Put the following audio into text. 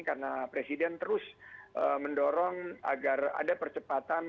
karena presiden terus mendorong agar ada percepatan